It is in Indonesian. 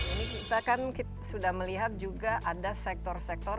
ini kita kan sudah melihat juga ada sektor sektor